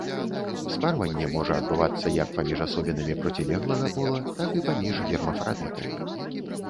Спарванне можа адбывацца як паміж асобінамі процілеглага пола, так і паміж гермафрадытамі.